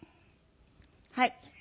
はい。